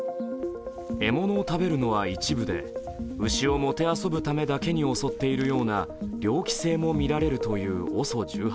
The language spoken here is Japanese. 獲物を食べるのは一部で牛をもてあそぶためだけに襲っているような猟奇性もみられるというＯＳＯ１８。